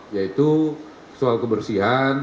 yaitu soal kebersihan